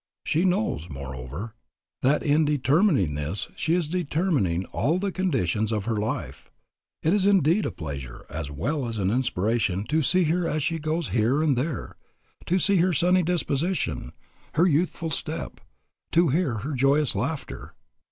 She knows, moreover, that in determining this she is determining all the conditions of her life. It is indeed a pleasure as well as an inspiration to see her as she goes here and there, to see her sunny disposition, her youthful step, to hear her joyous laughter.